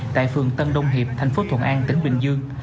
tại phường tân đông hiệp thành phố thuận an tỉnh bình dương